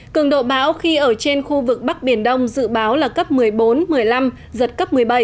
cường độ bão khi ở trên khu vực bắc biển đông dự báo là cấp một mươi bốn một mươi năm giật cấp một mươi bảy